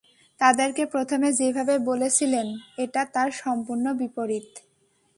তাদেরকে প্রথমে যেভাবে বলেছিলেন এটা তার সম্পূর্ণ বিপরীত।